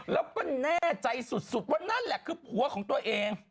แล้วก็แน่ใจสุดว่านั่นแหละคือผัวของตัวเอง